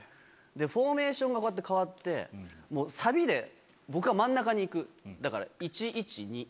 フォーメーションがこうやって変わってもうサビで僕が真ん中に行くだから１１２。